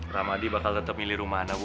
ramadi bakal tetep milih rumana bu